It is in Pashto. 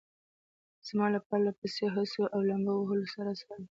زما له پرله پسې هڅو او لامبو وهلو سره سره.